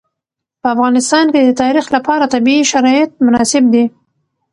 په افغانستان کې د تاریخ لپاره طبیعي شرایط مناسب دي.